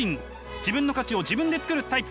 自分の価値を自分で作るタイプ。